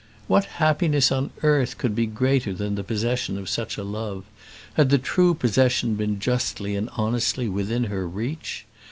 What happiness on earth could be greater than the possession of such a love, had the true possession been justly and honestly within her reach?